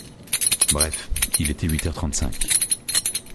Bref, il était huit heures trente-cinq